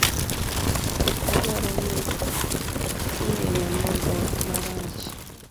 Adwaro ng'inyo mogo marach.